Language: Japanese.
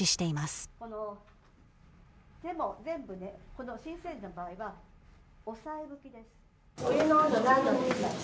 この手も全部ねこの新生児の場合は押さえ拭きです。